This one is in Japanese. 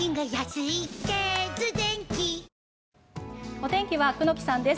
お天気は久能木さんです。